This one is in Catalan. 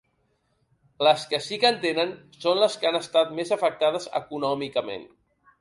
Les que sí que en tenen, són les que han estat més afectades econòmicament.